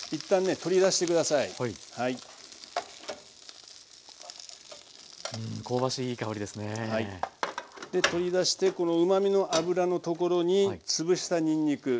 取り出してこのうまみの脂のところにつぶしたにんにく。